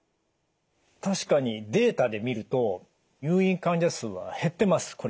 確かにデータで見ると入院患者数は減ってます。